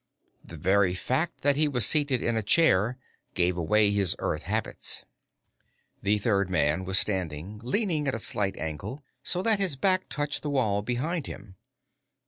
The very fact that he was seated in a chair gave away his Earth habits. The third man was standing, leaning at a slight angle, so that his back touched the wall behind him.